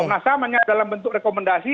karena samanya dalam bentuk rekomendasi